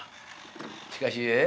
しかしえぇ？